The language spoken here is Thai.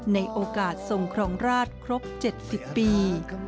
ในโอกาสทรงครองราชครบ๗๐ปี